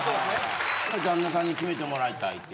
旦那さんに決めてもらいたいっていう。